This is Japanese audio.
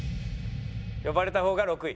呼ばれた方が６位。